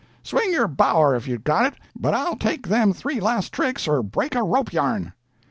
"Swing your bower if you've got it, but I'll take them three last tricks or break a rope yarn."